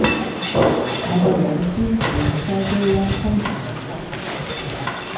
我個老師住喺筲箕灣新成中心